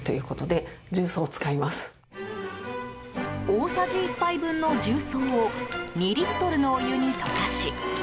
大さじ１杯分の重曹を２リットルのお湯に溶かし。